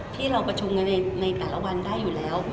ที่เราประชุมกันในแต่ละวันได้อยู่แล้ว